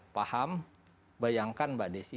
paham bayangkan mbak desi